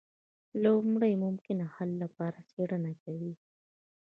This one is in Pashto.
لومړی د ممکنه حل لپاره څیړنه کوي.